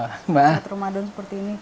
pesanan ramadan seperti ini